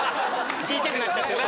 ちいちゃくなっちゃってな。